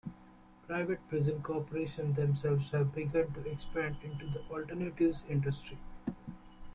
Private-prison corporations themselves have begun to expand into the "alternatives" industry.